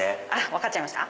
分かっちゃいました？